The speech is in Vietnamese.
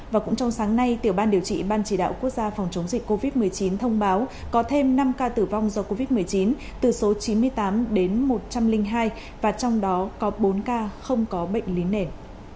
và cũng trong sáng nay tiểu ban điều trị ban chỉ đạo quốc gia phòng chống dịch covid một mươi chín thông báo có thêm năm ca tử vong do covid một mươi chín từ số chín mươi tám đến một trăm linh hai và trong đó có bốn ca không có bệnh lý nền